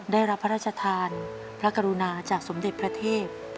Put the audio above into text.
ได้รับพระราชทานพระกรุณาจากสมเด็จพระเทพ